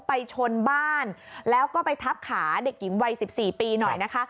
ไปชนบ้านแล้วก็ไปทับขาเด็กหญิงวัย๑๔ปีหน่อยนะคะ